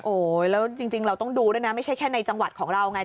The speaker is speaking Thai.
โอ้โหแล้วจริงเราต้องดูด้วยนะไม่ใช่แค่ในจังหวัดของเราไง